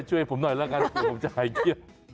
ช่วยผมหน่อยละกันผมจะหายเกลี้ย